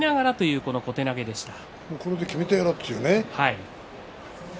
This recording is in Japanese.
これできめてやろうというね。